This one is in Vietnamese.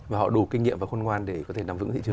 và họ đủ kinh nghiệm và khôn ngoan để có thể nắm vững thị trường